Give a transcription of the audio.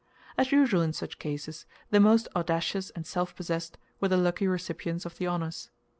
As usual in such cases, the most audacious and self possessed were the lucky recipients of the honors.